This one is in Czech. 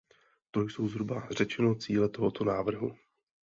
To jsou zhruba řečeno cíle tohoto návrhu.